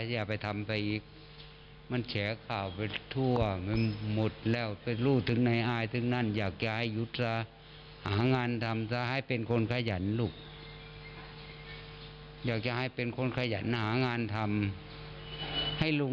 อย่าไปทำแบบนี้ต่อไปอย่าไปทำเลยลุง